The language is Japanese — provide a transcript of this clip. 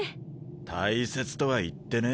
大切とは言ってねぇ。